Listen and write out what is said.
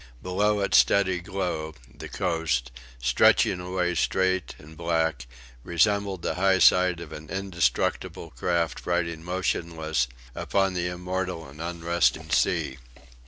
Below its steady glow, the coast, stretching away straight and black, resembled the high side of an indestructible craft riding motionless upon the immortal and unresting sea.